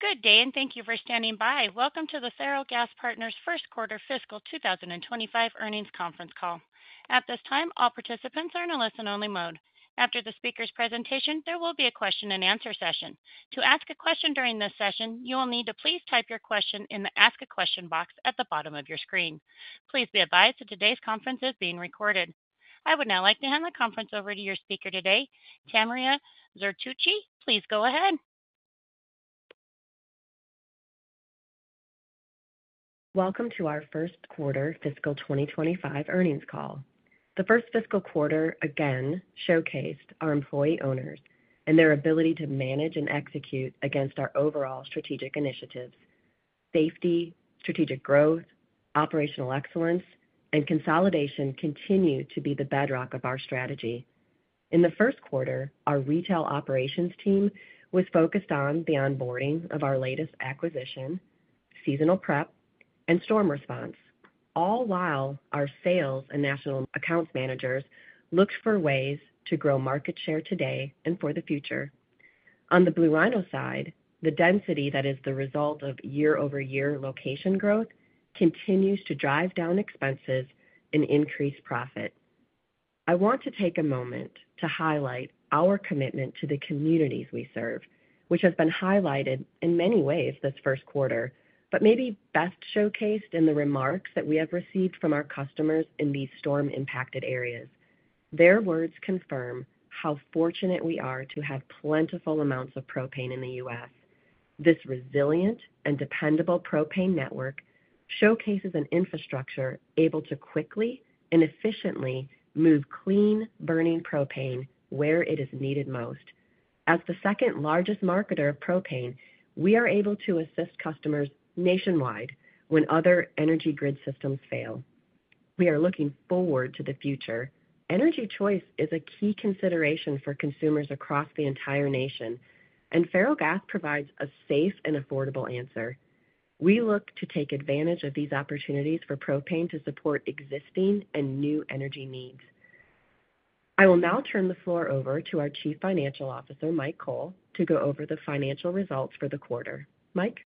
Good day, and thank you for standing by. Welcome to the Ferrellgas Partners First Quarter Fiscal 2025 Earnings Conference Call. At this time, all participants are in a listen-only mode. After the speaker's presentation, there will be a question-and-answer session. To ask a question during this session, you will need to please type your question in the Ask a Question box at the bottom of your screen. Please be advised that today's conference is being recorded. I would now like to hand the conference over to your speaker today, Tamria Zertuche. Please go ahead. Welcome to our First Quarter Fiscal 2025 Earnings Call. The first fiscal quarter, again, showcased our employee owners and their ability to manage and execute against our overall strategic initiatives. Safety, strategic growth, operational excellence, and consolidation continue to be the bedrock of our strategy. In the first quarter, our retail operations team was focused on the onboarding of our latest acquisition, seasonal prep, and storm response, all while our sales and national accounts managers looked for ways to grow market share today and for the future. On the Blue Rhino side, the density that is the result of year-over-year location growth continues to drive down expenses and increase profit. I want to take a moment to highlight our commitment to the communities we serve, which has been highlighted in many ways this first quarter, but maybe best showcased in the remarks that we have received from our customers in these storm-impacted areas. Their words confirm how fortunate we are to have plentiful amounts of propane in the U.S. This resilient and dependable propane network showcases an infrastructure able to quickly and efficiently move clean burning propane where it is needed most. As the second largest marketer of propane, we are able to assist customers nationwide when other energy grid systems fail. We are looking forward to the future. Energy choice is a key consideration for consumers across the entire nation, and Ferrellgas provides a safe and affordable answer. We look to take advantage of these opportunities for propane to support existing and new energy needs. I will now turn the floor over to our Chief Financial Officer, Mike Cole, to go over the financial results for the quarter. Mike.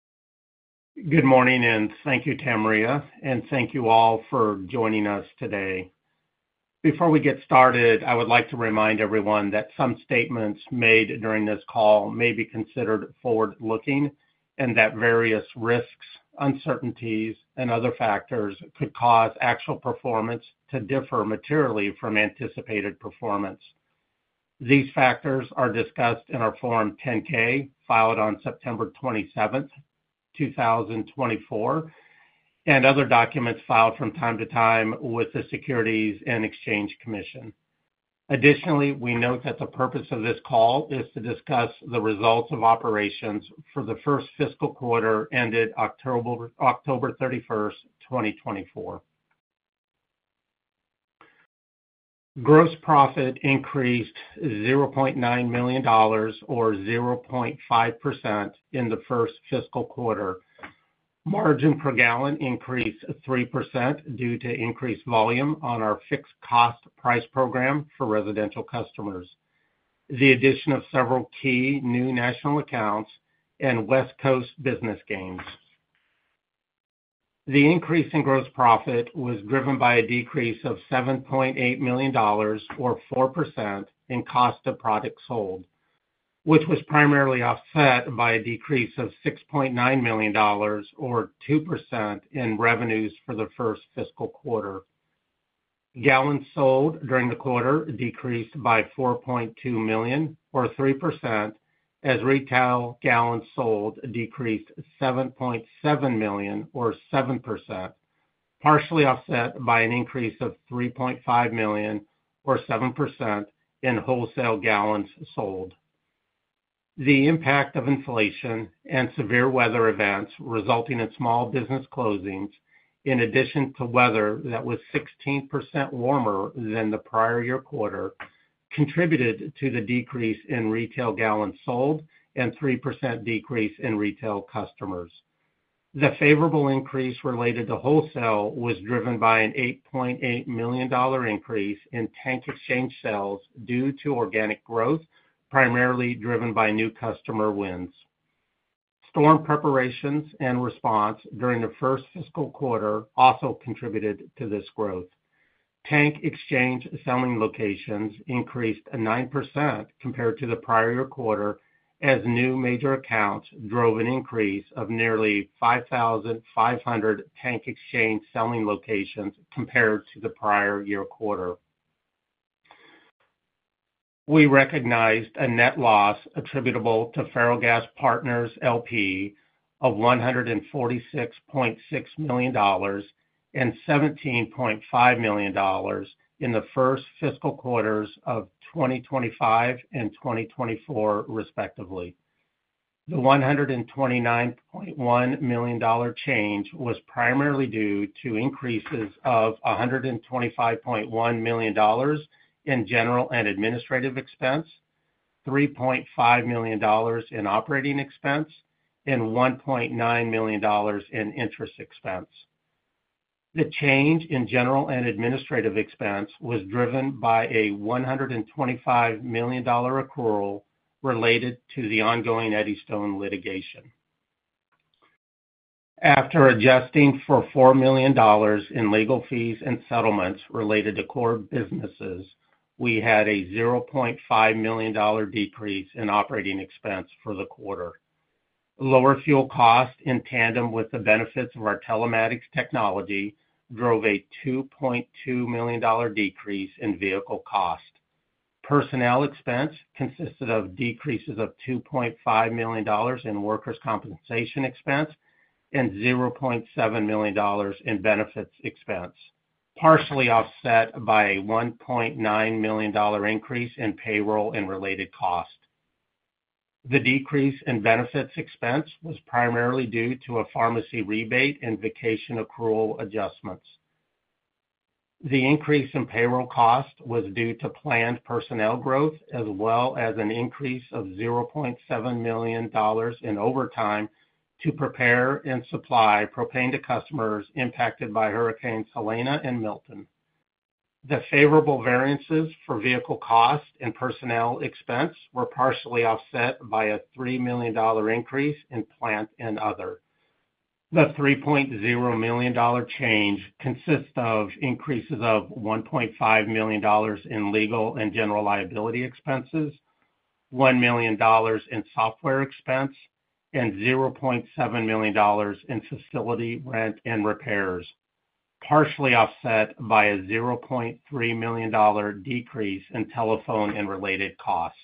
Good morning, and thank you, Tamria, and thank you all for joining us today. Before we get started, I would like to remind everyone that some statements made during this call may be considered forward-looking and that various risks, uncertainties, and other factors could cause actual performance to differ materially from anticipated performance. These factors are discussed in our Form 10-K filed on September 27, 2024, and other documents filed from time to time with the Securities and Exchange Commission. Additionally, we note that the purpose of this call is to discuss the results of operations for the first fiscal quarter ended October 31, 2024. Gross profit increased $0.9 million, or 0.5%, in the first fiscal quarter. Margin per gallon increased 3% due to increased volume on our fixed cost price program for residential customers, the addition of several key new national accounts, and West Coast business gains. The increase in gross profit was driven by a decrease of $7.8 million, or 4%, in cost of product sold, which was primarily offset by a decrease of $6.9 million, or 2%, in revenues for the first fiscal quarter. Gallons sold during the quarter decreased by $4.2 million, or 3%, as retail gallons sold decreased $7.7 million, or 7%, partially offset by an increase of $3.5 million, or 7%, in wholesale gallons sold. The impact of inflation and severe weather events resulting in small business closings, in addition to weather that was 16% warmer than the prior year quarter, contributed to the decrease in retail gallons sold and 3% decrease in retail customers. The favorable increase related to wholesale was driven by an $8.8 million increase in tank exchange sales due to organic growth, primarily driven by new customer wins. Storm preparations and response during the first fiscal quarter also contributed to this growth. Tank exchange selling locations increased 9% compared to the prior year quarter, as new major accounts drove an increase of nearly 5,500 tank exchange selling locations compared to the prior year quarter. We recognized a net loss attributable to Ferrellgas Partners, L.P. of $146.6 million and $17.5 million in the first fiscal quarters of 2025 and 2024, respectively. The $129.1 million change was primarily due to increases of $125.1 million in general and administrative expense, $3.5 million in operating expense, and $1.9 million in interest expense. The change in general and administrative expense was driven by a $125 million accrual related to the ongoing Eddystone Litigation. After adjusting for $4 million in legal fees and settlements related to core businesses, we had a $0.5 million decrease in operating expense for the quarter. Lower fuel costs in tandem with the benefits of our telematics technology drove a $2.2 million decrease in vehicle cost. Personnel expense consisted of decreases of $2.5 million in workers' compensation expense and $0.7 million in benefits expense, partially offset by a $1.9 million increase in payroll and related cost. The decrease in benefits expense was primarily due to a pharmacy rebate and vacation accrual adjustments. The increase in payroll cost was due to planned personnel growth, as well as an increase of $0.7 million in overtime to prepare and supply propane to customers impacted by Hurricanes Helene and Milton. The favorable variances for vehicle cost and personnel expense were partially offset by a $3 million increase in plant and other. The $3.0 million change consists of increases of $1.5 million in legal and general liability expenses, $1 million in software expense, and $0.7 million in facility, rent, and repairs, partially offset by a $0.3 million decrease in telephone and related costs.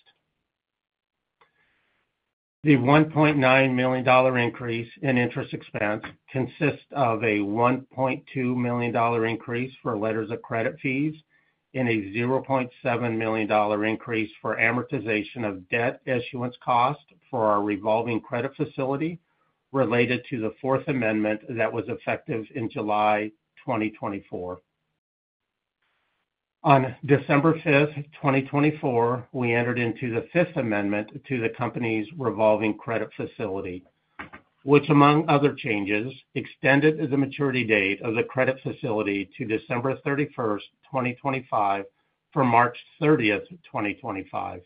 The $1.9 million increase in interest expense consists of a $1.2 million increase for letters of credit fees and a $0.7 million increase for amortization of debt issuance costs for our revolving credit facility related to the Fourth Amendment that was effective in July 2024. On December 5, 2024, we entered into the Fifth Amendment to the company's revolving credit facility, which, among other changes, extended the maturity date of the credit facility to December 31, 2025, from March 30, 2025.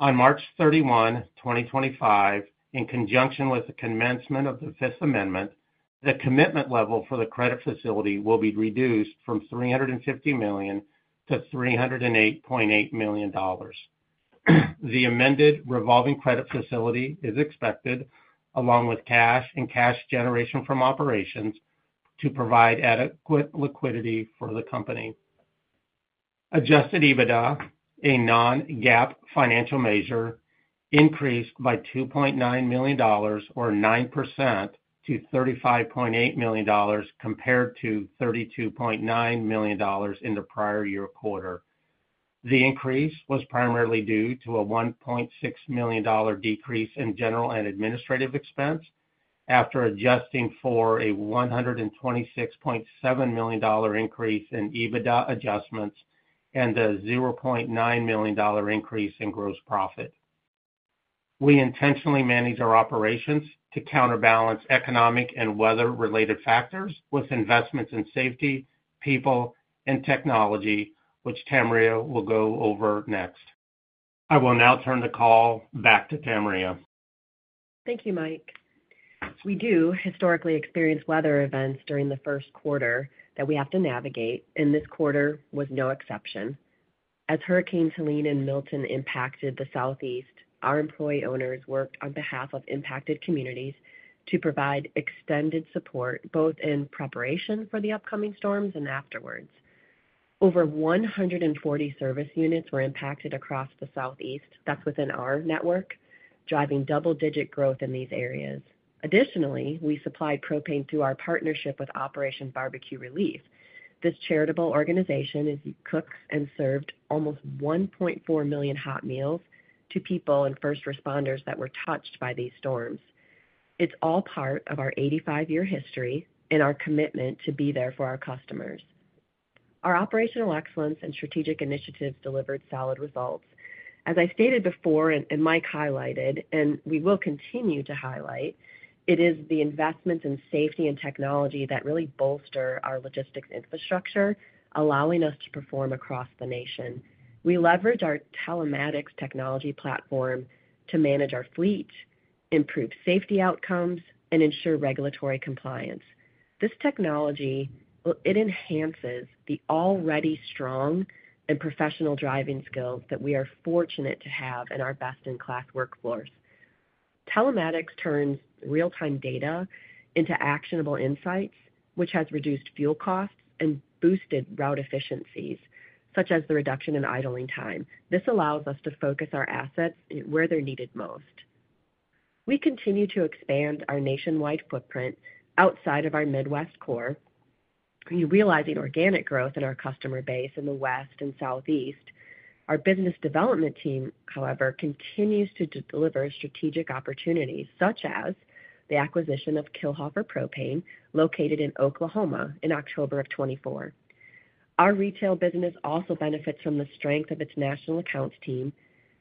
On March 31, 2025, in conjunction with the commencement of the Fifth Amendment, the commitment level for the credit facility will be reduced from $350 million-$308.8 million. The amended revolving credit facility is expected, along with cash and cash generation from operations, to provide adequate liquidity for the company. Adjusted EBITDA, a non-GAAP financial measure, increased by $2.9 million, or 9%, to $35.8 million compared to $32.9 million in the prior year quarter. The increase was primarily due to a $1.6 million decrease in general and administrative expense after adjusting for a $126.7 million increase in EBITDA adjustments and a $0.9 million increase in gross profit. We intentionally manage our operations to counterbalance economic and weather-related factors with investments in safety, people, and technology, which Tamria will go over next. I will now turn the call back to Tamria. Thank you, Mike. We do historically experience weather events during the first quarter that we have to navigate, and this quarter was no exception. As Hurricane Helene and Milton impacted the Southeast, our employee owners worked on behalf of impacted communities to provide extended support both in preparation for the upcoming storms and afterwards. Over 140 service units were impacted across the Southeast. That's within our network, driving double-digit growth in these areas. Additionally, we supplied propane through our partnership with Operation Barbecue Relief. This charitable organization cooked and served almost 1.4 million hot meals to people and first responders that were touched by these storms. It's all part of our 85-year history and our commitment to be there for our customers. Our operational excellence and strategic initiatives delivered solid results. As I stated before and Mike highlighted, and we will continue to highlight, it is the investments in safety and technology that really bolster our logistics infrastructure, allowing us to perform across the nation. We leverage our telematics technology platform to manage our fleet, improve safety outcomes, and ensure regulatory compliance. This technology enhances the already strong and professional driving skills that we are fortunate to have in our best-in-class workforce. Telematics turns real-time data into actionable insights, which has reduced fuel costs and boosted route efficiencies, such as the reduction in idling time. This allows us to focus our assets where they're needed most. We continue to expand our nationwide footprint outside of our Midwest core, realizing organic growth in our customer base in the West and Southeast. Our business development team, however, continues to deliver strategic opportunities, such as the acquisition of Kilhoffer Propane, located in Oklahoma, in October of 2024. Our retail business also benefits from the strength of its national accounts team.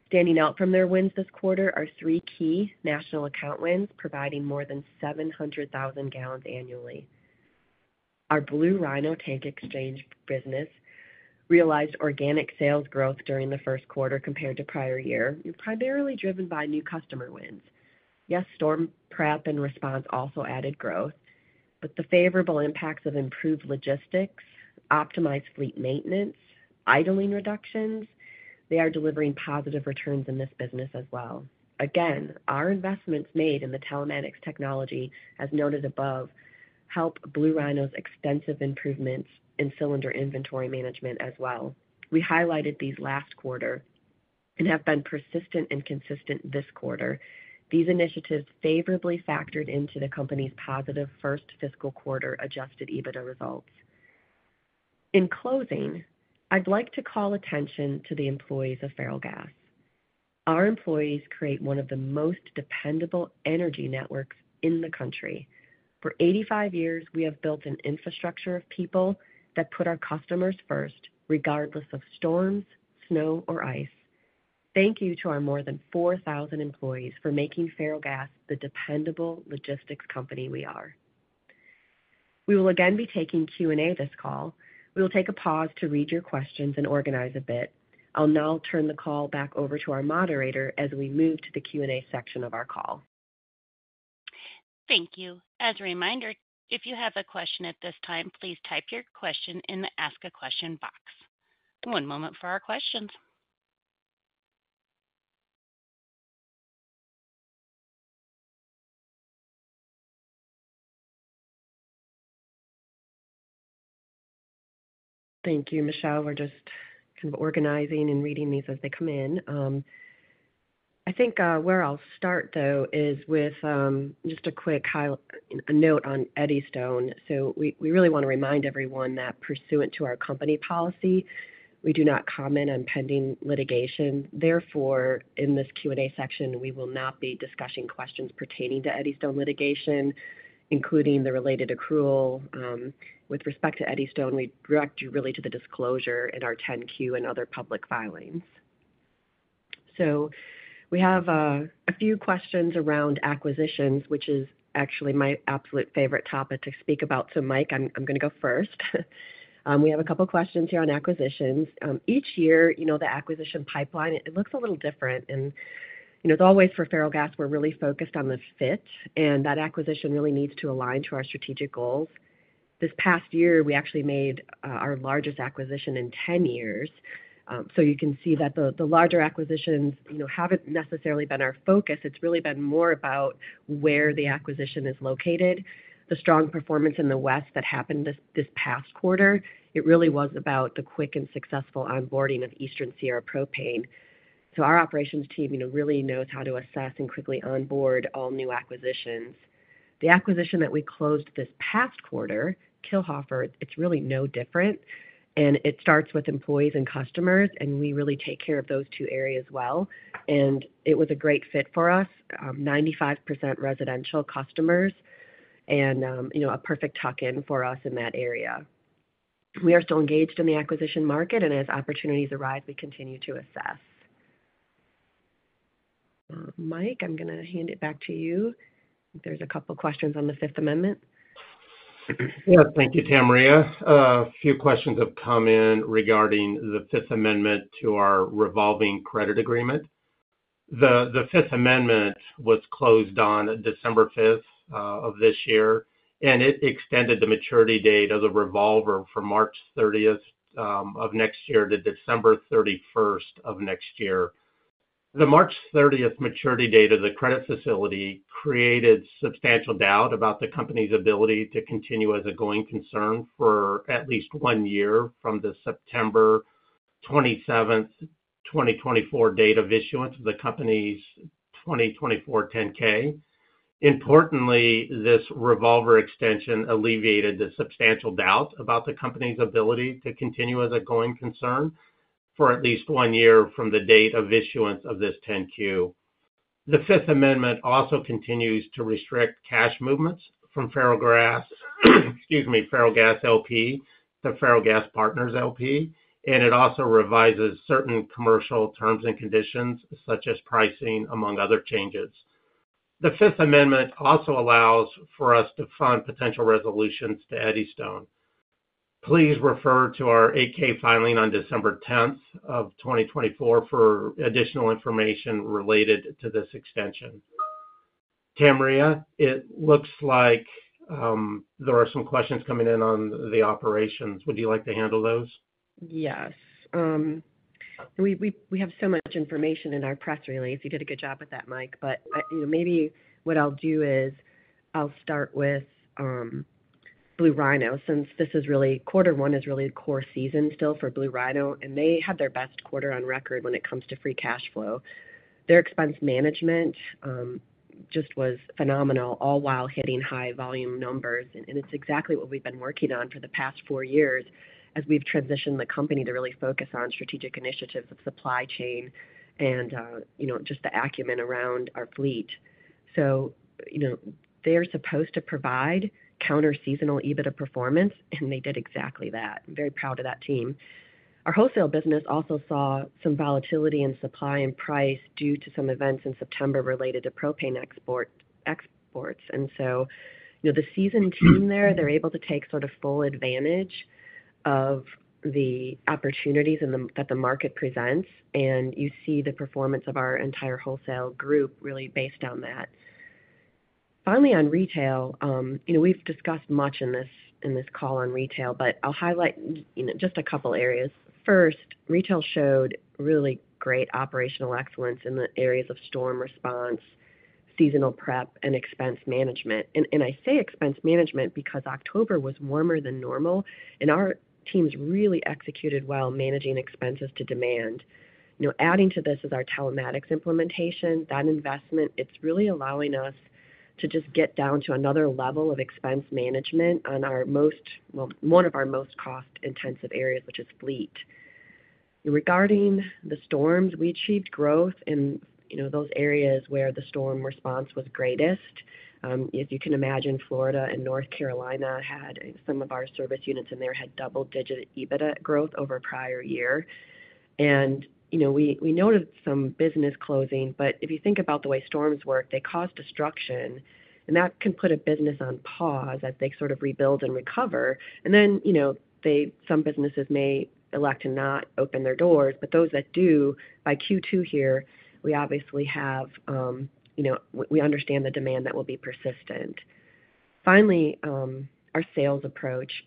Standing out from their wins this quarter are three key national account wins, providing more than 700,000 gallons annually. Our Blue Rhino Tank Exchange business realized organic sales growth during the first quarter compared to prior year, primarily driven by new customer wins. Yes, storm prep and response also added growth, but the favorable impacts of improved logistics, optimized fleet maintenance, and idling reductions are delivering positive returns in this business as well. Again, our investments made in the telematics technology, as noted above, help Blue Rhino's extensive improvements in cylinder inventory management as well. We highlighted these last quarter and have been persistent and consistent this quarter. These initiatives favorably factored into the company's positive first fiscal quarter Adjusted EBITDA results. In closing, I'd like to call attention to the employees of Ferrellgas. Our employees create one of the most dependable energy networks in the country. For 85 years, we have built an infrastructure of people that put our customers first, regardless of storms, snow, or ice. Thank you to our more than 4,000 employees for making Ferrellgas the dependable logistics company we are. We will again be taking Q&A this call. We will take a pause to read your questions and organize a bit. I'll now turn the call back over to our moderator as we move to the Q&A section of our call. Thank you. As a reminder, if you have a question at this time, please type your question in the Ask a Question box. One moment for our questions. Thank you, Michelle. We're just kind of organizing and reading these as they come in. I think where I'll start, though, is with just a quick note on Eddystone. So we really want to remind everyone that pursuant to our company policy, we do not comment on pending litigation. Therefore, in this Q&A section, we will not be discussing questions pertaining to Eddystone Litigation, including the related accrual. With respect to Eddystone, we direct you really to the disclosure in our 10-Q and other public filings. So we have a few questions around acquisitions, which is actually my absolute favorite topic to speak about. So, Mike, I'm going to go first. We have a couple of questions here on acquisitions. Each year, you know the acquisition pipeline, it looks a little different. It's always for Ferrellgas. We're really focused on the fit, and that acquisition really needs to align to our strategic goals. This past year, we actually made our largest acquisition in 10 years. You can see that the larger acquisitions haven't necessarily been our focus. It's really been more about where the acquisition is located. The strong performance in the West that happened this past quarter, it really was about the quick and successful onboarding of Eastern Sierra Propane. Our operations team really knows how to assess and quickly onboard all new acquisitions. The acquisition that we closed this past quarter, Kilhoffer, it's really no different. It starts with employees and customers, and we really take care of those two areas well. It was a great fit for us, 95% residential customers, and a perfect tuck-in for us in that area. We are still engaged in the acquisition market, and as opportunities arise, we continue to assess. Mike, I'm going to hand it back to you. There's a couple of questions on the Fifth Amendment. Yeah, thank you, Tamria. A few questions have come in regarding the Fifth Amendment to our revolving credit agreement. The Fifth Amendment was closed on December 5 of this year, and it extended the maturity date of the revolver from March 30 of next year to December 31 of next year. The March 30 maturity date of the credit facility created substantial doubt about the company's ability to continue as a going concern for at least one year from the September 27, 2024 date of issuance of the company's 2024 10-K. Importantly, this revolver extension alleviated the substantial doubt about the company's ability to continue as a going concern for at least one year from the date of issuance of this 10-Q. The Fifth Amendment also continues to restrict cash movements from Ferrellgas L.P. to Ferrellgas Partners L.P., and it also revises certain commercial terms and conditions, such as pricing, among other changes. The Fifth Amendment also allows for us to fund potential resolutions to Eddystone. Please refer to our 8-K filing on December 10, 2024, for additional information related to this extension. Tamria, it looks like there are some questions coming in on the operations. Would you like to handle those? Yes. We have so much information in our press release. You did a good job with that, Mike. But maybe what I'll do is I'll start with Blue Rhino, since this is really quarter one is really the core season still for Blue Rhino, and they had their best quarter on record when it comes to free cash flow. Their expense management just was phenomenal, all while hitting high volume numbers. And it's exactly what we've been working on for the past four years as we've transitioned the company to really focus on strategic initiatives of supply chain and just the acumen around our fleet. So they're supposed to provide counter-seasonal EBITDA performance, and they did exactly that. I'm very proud of that team. Our wholesale business also saw some volatility in supply and price due to some events in September related to propane exports. And so the seasoned team there, they're able to take sort of full advantage of the opportunities that the market presents, and you see the performance of our entire wholesale group really based on that. Finally, on retail, we've discussed much in this call on retail, but I'll highlight just a couple of areas. First, retail showed really great operational excellence in the areas of storm response, seasonal prep, and expense management. And I say expense management because October was warmer than normal, and our teams really executed well managing expenses to demand. Adding to this is our telematics implementation. That investment, it's really allowing us to just get down to another level of expense management on one of our most cost-intensive areas, which is fleet. Regarding the storms, we achieved growth in those areas where the storm response was greatest. As you can imagine, Florida and North Carolina had some of our service units in there had double-digit EBITDA growth over a prior year. We noted some business closing, but if you think about the way storms work, they cause destruction, and that can put a business on pause as they sort of rebuild and recover. Then some businesses may elect to not open their doors, but those that do, by Q2 here, we obviously understand the demand that will be persistent. Finally, our sales approach,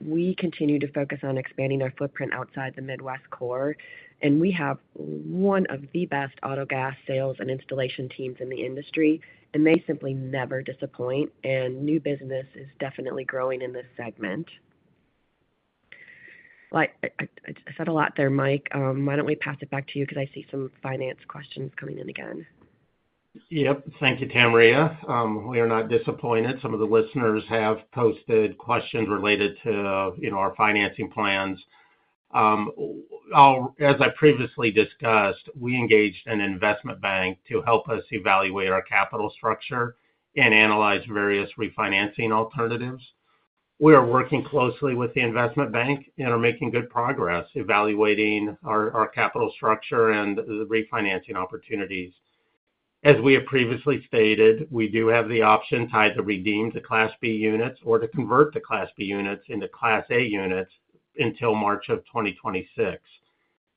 we continue to focus on expanding our footprint outside the Midwest core, and we have one of the best auto gas sales and installation teams in the industry, and they simply never disappoint, and new business is definitely growing in this segment. I said a lot there, Mike. Why don't we pass it back to you because I see some finance questions coming in again? Yep. Thank you, Tamria. We are not disappointed. Some of the listeners have posted questions related to our financing plans. As I previously discussed, we engaged an investment bank to help us evaluate our capital structure and analyze various refinancing alternatives. We are working closely with the investment bank and are making good progress evaluating our capital structure and the refinancing opportunities. As we have previously stated, we do have the option tied to redeem the Class B units or to convert the Class B units into Class A units until March of 2026.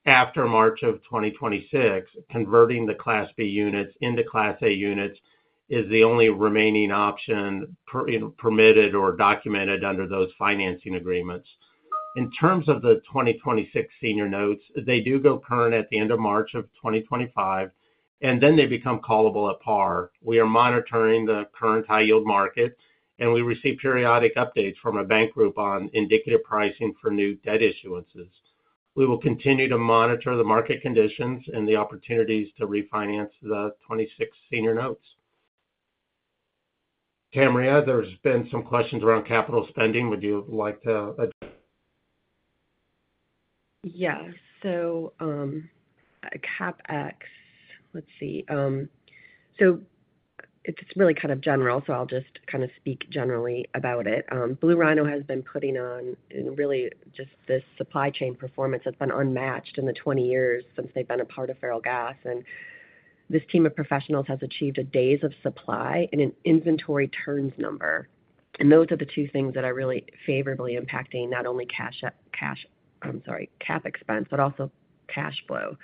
After March of 2026, converting the Class B units into Class A units is the only remaining option permitted or documented under those financing agreements. In terms of the 2026 senior notes, they do go current at the end of March of 2025, and then they become callable at par. We are monitoring the current high-yield market, and we receive periodic updates from a bank group on indicative pricing for new debt issuances. We will continue to monitor the market conditions and the opportunities to refinance the 2026 Senior Notes. Tamria, there's been some questions around capital spending. Would you like to address? Yes. So CapEx, let's see. So it's really kind of general, so I'll just kind of speak generally about it. Blue Rhino has been putting on really just this supply chain performance that's been unmatched in the 20 years since they've been a part of Ferrellgas. And this team of professionals has achieved a days of supply and an inventory turns number. And those are the two things that are really favorably impacting not only cash, I'm sorry, CapEx expense, but also cash flow.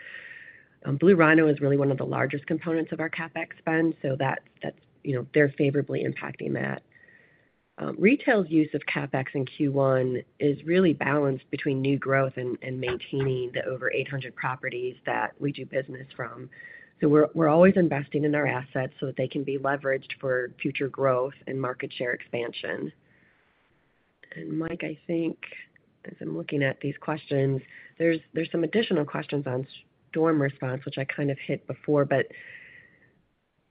Blue Rhino is really one of the largest components of our CapEx spend, so they're favorably impacting that. Retail's use of CapEx in Q1 is really balanced between new growth and maintaining the over 800 properties that we do business from. So we're always investing in our assets so that they can be leveraged for future growth and market share expansion. And Mike, I think, as I'm looking at these questions, there's some additional questions on storm response, which I kind of hit before, but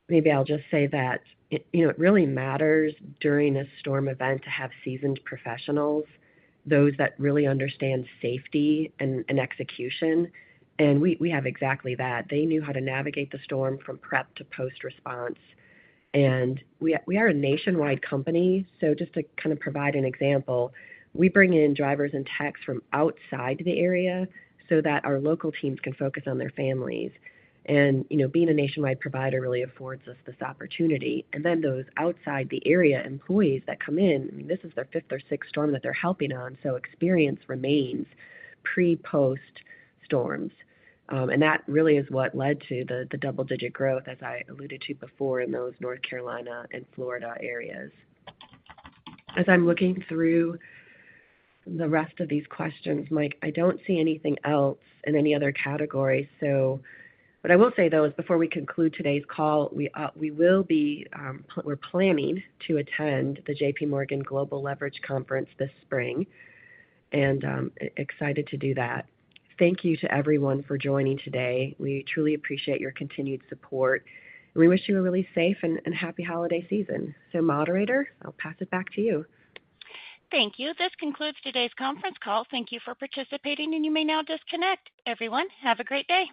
maybe I'll just say that it really matters during a storm event to have seasoned professionals, those that really understand safety and execution. And we have exactly that. They knew how to navigate the storm from prep to post-response. And we are a nationwide company. So just to kind of provide an example, we bring in drivers and techs from outside the area so that our local teams can focus on their families. And being a nationwide provider really affords us this opportunity. And then those outside the area employees that come in, this is their fifth or sixth storm that they're helping on. So experience remains pre-post storms. And that really is what led to the double-digit growth, as I alluded to before in those North Carolina and Florida areas. As I'm looking through the rest of these questions, Mike, I don't see anything else in any other category. But I will say, though, before we conclude today's call, we're planning to attend the JPMorgan Global Leverage Conference this spring. And excited to do that. Thank you to everyone for joining today. We truly appreciate your continued support. And we wish you a really safe and happy holiday season. So, moderator, I'll pass it back to you. Thank you. This concludes today's conference call. Thank you for participating, and you may now disconnect. Everyone, have a great day.